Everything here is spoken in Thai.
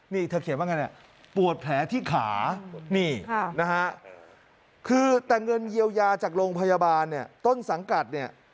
นี่เธอเขียนบ้างไงปวดแผลที่ขาคือแต่เงินเยียวยาจากโรงพยาบาลต้นสังกัด